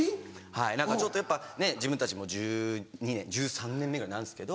はいちょっと自分たちも１２年１３年目ぐらいになるんですけど。